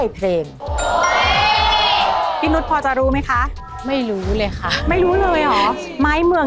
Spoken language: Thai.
เพราะว่าเขาเป็น